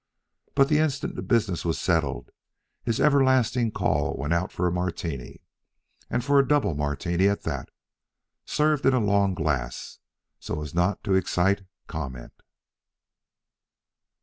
But the instant the business was settled, his everlasting call went out for a Martini, and for a double Martini at that, served in a long glass so as not to excite comment.